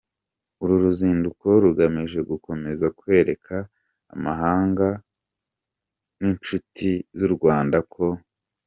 Uru ruzinduko rugamije gukomeza kwereka amahanga n’incuti z’u Rwanda ko :